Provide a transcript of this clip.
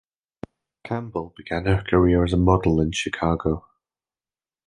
Campbell began her career as a model in Chicago.